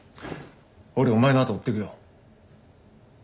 俺お前の後追ってくよ。